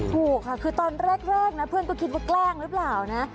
ถูกค่ะคือตอนแรกนะเพื่อนก็คิดว่าแกล้งหรือเปล่านะ